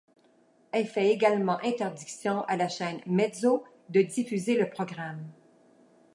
Est fait également interdiction à la chaîne Mezzo de diffuser le programme.